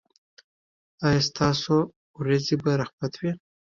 ایا ستاسو ورېځې به رحمت وي؟